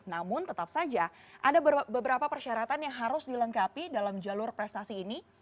namun tetap saja ada beberapa persyaratan yang harus dilengkapi dalam jalur prestasi ini